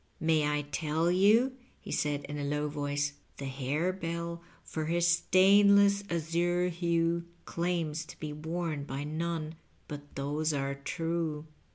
" May I tell you ?" he said, in a low voice —"* The liarebell, for her stainless azare hue, ' Claims to be worn bj none bat those are trne.'